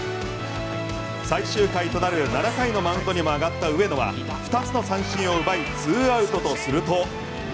最終回となる７回のマウンドにも上がった上野は２つの三振を奪い２アウトとすると。